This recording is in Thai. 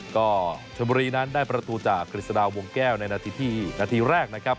ก็ชนบุรีนั้นได้ประตูจากกฤษฎาวงแก้วในนาทีที่นาทีแรกนะครับ